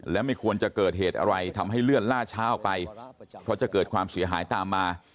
และไม่ควรจะเกิดเหตุอะไรทำให้เลื่อนล่าช้าออกไปเพราะจะเกิดความเสียหายตามมา